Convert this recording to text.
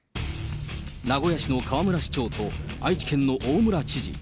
名古屋市の河村市長と、愛知県の大村知事。